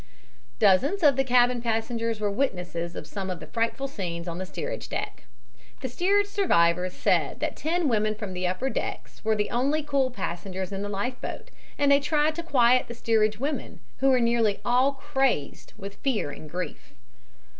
Dozens of the cabin passengers were witnesses of some of the frightful scenes on the steerage deck. The steerage survivors said that ten women from the upper decks were the only cool passengers in the life boat, and they tried to quiet the steerage women, who were nearly all crazed with fear and grief.